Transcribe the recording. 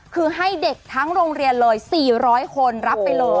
คือให้เด็กทั้งโรงเรียนเลย๔๐๐คนรับไปเลย